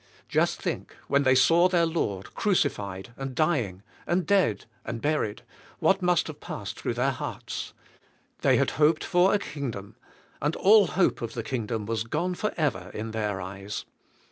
Just think, when they saw their Lord crucified, and dy ing, and dead, and buried, what must have passed through their hearts? They had hoped for a king dom, and all hope of the kingdom was gone forever in their eyes.